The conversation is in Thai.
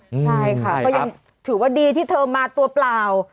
ใช่ค่ะก็ยังถือว่าดีที่เธอมาตัวเปล่า